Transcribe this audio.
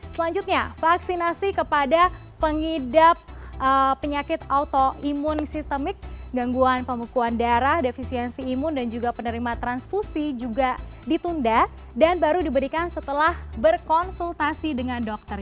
selanjutnya vaksinasi kepada pengidap penyakit autoimun sistemik gangguan pembukuan darah defisiensi imun dan juga penerima transfusi juga ditunda dan baru diberikan setelah berkonsultasi dengan dokter